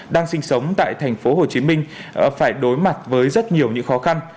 đang sinh sống tại tp hcm phải đối mặt với rất nhiều những khó khăn